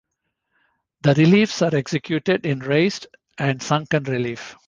The reliefs are executed in raised and sunken relief.